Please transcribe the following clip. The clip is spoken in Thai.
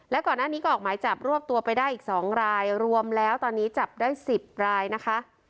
และก่อนหน้านี้ก็ออกหมายจับรวบตัวไปได้อีก๒รายรวมแล้วตอนนี้จับได้๑๐รายนะคะ